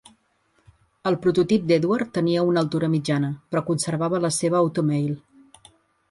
El prototip d'Edward tenia una altura mitjana, però conservava la seva automail.